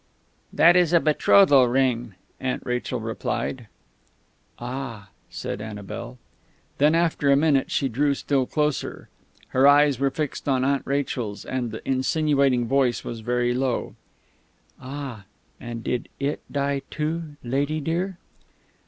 "That is a betrothal ring," Aunt Rachel replied. "Ah!..." said Annabel. Then, after a minute, she drew still closer. Her eyes were fixed on Aunt Rachel's, and the insinuating voice was very low. "Ah!... And did it die too, lady dear?"